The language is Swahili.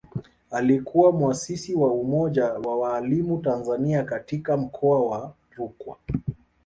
Aliyekuwa mwasisi wa Umoja wa Walimu Tanzania katika Mkoa wa Rukwa